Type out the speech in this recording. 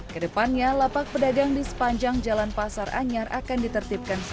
ke depannya lapak pedagang di sepanjang jalan pasar anyar akan ditertibkan sekitar